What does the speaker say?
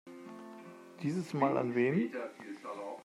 Dieses Mal an wen?